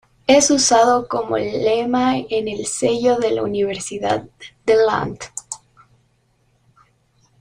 Es usado como lema en el sello de la Universidad de Lund.